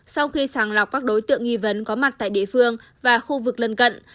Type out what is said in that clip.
sau khi sàng lọc các đối tượng nghi vấn có mặt tại địa phương và khu vực lân cận